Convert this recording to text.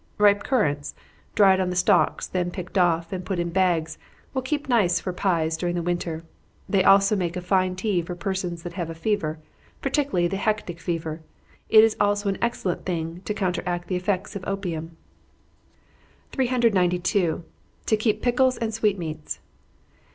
Ripe currants, dried on the stalks, then picked off, and put in bags, will keep nice for pies during the winter. They also make a fine tea for persons that have a fever, particularly the hectic fever it is also an excellent thing to counteract the effects of opium. 392. _To keep Pickles and Sweetmeats.